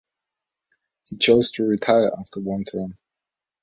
He chose to retire after one term.